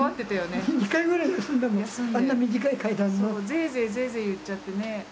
ぜいぜいぜいぜい言っちゃってね。